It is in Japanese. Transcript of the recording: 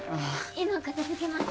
今片付けます。